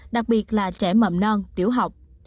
đặc biệt là trẻ mầm non tiểu học